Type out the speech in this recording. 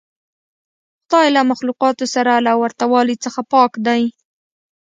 خدای له مخلوقاتو سره له ورته والي څخه پاک دی.